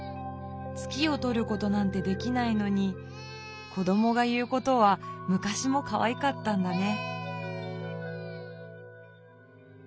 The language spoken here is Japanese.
月を取ることなんてできないのに子どもが言うことはむかしもかわいかったんだね。